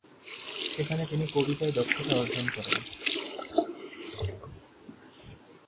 সেখানে তিনি কবিতায় দক্ষতা অর্জন করেন।